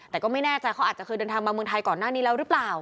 แต่ก็ไม่แน่ใจเขาอาจจะเคยเดินทางมาเมืองไทยก่อนหน้านี้แล้วหรือเปล่า